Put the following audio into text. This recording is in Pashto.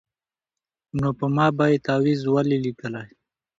نو په ما به یې تعویذ ولي لیکلای